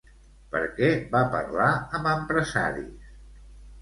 Per què va parlar amb empresaris?